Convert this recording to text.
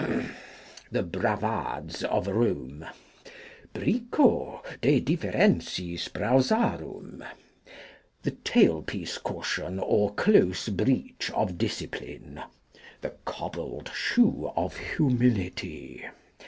The Bravades of Rome. Bricot de Differentiis Browsarum. The Tailpiece Cushion, or Close breech of Discipline. The Cobbled Shoe of Humility.